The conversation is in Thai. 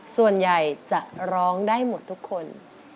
ส่วนใหญ่จะร้องได้หมดทุกคน